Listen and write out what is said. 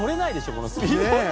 このスピード。